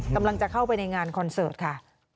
กำลังจะเข้าไปในงานคอนเสิร์ตค่ะ